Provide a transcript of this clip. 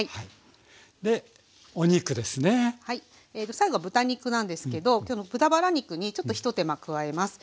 最後は豚肉なんですけど今日豚バラ肉にちょっと一手間加えます。